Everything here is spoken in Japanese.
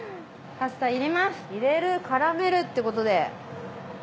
入れる絡めるってことで。